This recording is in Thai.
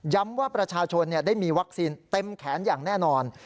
ว่าประชาชนได้มีวัคซีนเต็มแขนอย่างแน่นอน